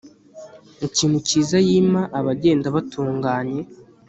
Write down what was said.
ikintu cyiza yima abagenda batunganye